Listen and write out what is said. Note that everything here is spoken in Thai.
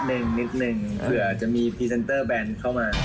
นิดนึงเผื่อจะมีพรีเซ็นเตอร์แบรนด์เข้ามา